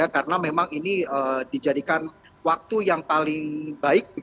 karena memang ini dijadikan waktu yang paling baik